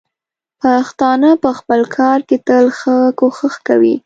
پښتانه په خپل کار کې تل ښه کوښښ کوي.